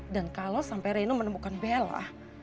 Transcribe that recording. dan kalo sampe reno menemukan bella